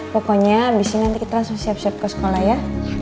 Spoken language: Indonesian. pokoknya abis ini nanti kita langsung siap siap ke sekolah ya